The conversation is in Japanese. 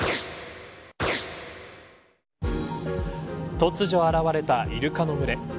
突如現れたイルカの群れ。